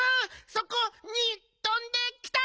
そこにとんできた！